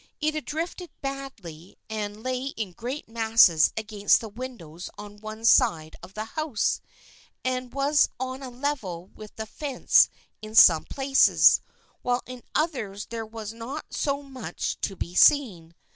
It had drifted badly and lay in great masses against the windows on one side of the house, and was on a level with the fence in some places, while in others there was not so much to be seen.